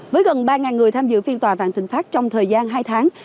với gần ba người tham dự phiên tòa vạn thịnh pháp trong thời gian hai tháng